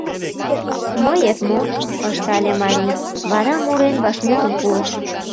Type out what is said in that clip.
Мыет мо? — ыштале марий, вара мурен вашмутым пуыш: